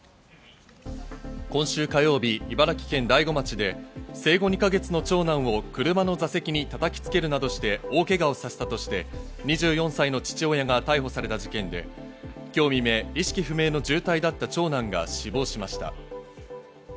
今週火曜日、茨城県大子町で生後２か月の長男を車の座席にたたきつけるなどして大けがをさせたとして、２４歳の父親が逮捕された事件で、今朝早く、意識不明の重体だった長男が死亡しました。